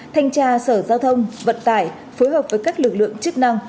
thanh tra sở giao thông vận tải phối hợp với các lực lượng chức năng